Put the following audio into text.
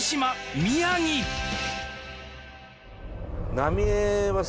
浪江はさ